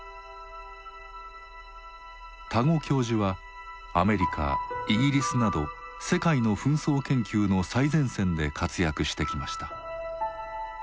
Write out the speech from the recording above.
多湖教授はアメリカイギリスなど世界の紛争研究の最前線で活躍してきました。